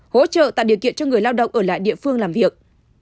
hỗ trợ tạo điều kiện cho người lao động ở lại địa phương làm việc